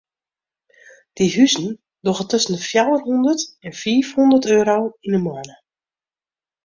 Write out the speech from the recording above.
Dy huzen dogge tusken de fjouwer hondert en fiif hondert euro yn de moanne.